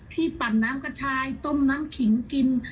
ปั่นน้ำกระชายต้มน้ำขิงกิน